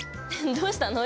どうしたの？